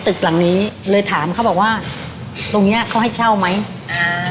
ตึกหลังนี้เลยถามเขาบอกว่าตรงเนี้ยเขาให้เช่าไหมอ่า